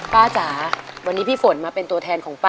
จ๋าวันนี้พี่ฝนมาเป็นตัวแทนของป้า